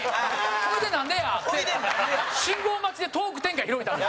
「ほいで、なんでや？」って信号待ちでトーク展開、広げたの。